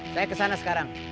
saya kesana sekarang